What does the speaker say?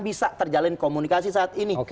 bisa terjalin komunikasi saat ini